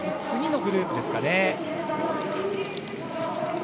次のグループですかね。